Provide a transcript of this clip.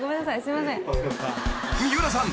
［三浦さん